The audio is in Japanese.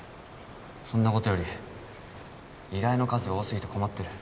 そんなことより依頼の数が多すぎて困ってる